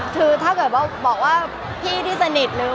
มันเป็นเรื่องน่ารักที่เวลาเจอกันเราต้องแซวอะไรอย่างเงี้ย